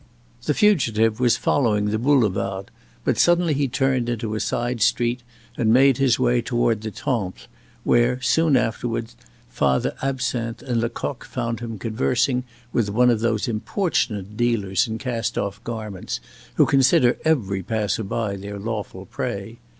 The fugitive was following the boulevards, but suddenly he turned into a side street and made his way toward the Temple, where, soon afterward, Father Absinthe and Lecoq found him conversing with one of those importunate dealers in cast off garments who consider every passer by their lawful prey.